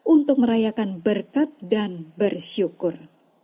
untuk merayakan berkat dan bersyukur